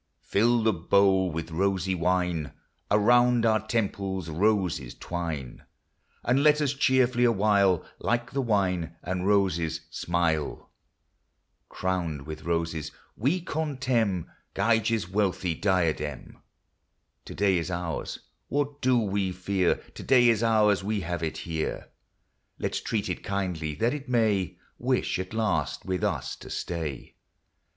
Fill the bowl with rosy wine ! Around our temples roses twine ! And let us cheerfully awhile, Like the wine and roses, smile. Crowned with roses, we contemn Gyges 5 wealthy diadem. To day is ours, what do we fear? To day is ours ; we have it here : Let 's treat it kindly, that it may Wish, at least, with us to stay.